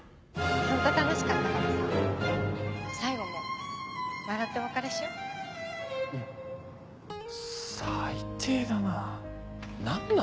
ホント楽しかったからさ最後も笑ってお別れしようん最低だな何なんだよ。